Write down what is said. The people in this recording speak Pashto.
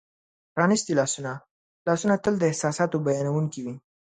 پرانیستي لاسونه : لاسونه تل د احساساتو بیانونکي وي.